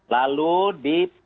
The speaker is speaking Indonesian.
lalu di pertamina